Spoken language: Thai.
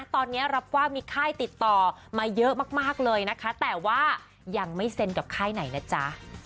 ตอนนี้รับว่ามีค่ายติดต่อมาเยอะมากเลยนะคะแต่ว่ายังไม่เซ็นกับค่ายไหนนะจ๊ะ